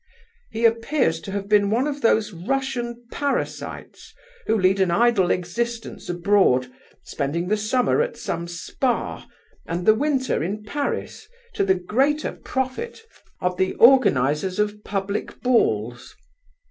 He appears to have been one of those Russian parasites who lead an idle existence abroad, spending the summer at some spa, and the winter in Paris, to the greater profit of the organizers of public balls.